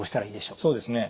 そうですね。